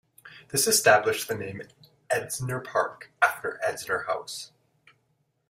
This established the name Edensor Park after Edensor House.